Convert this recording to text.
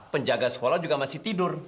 penjaga sekolah juga masih tidur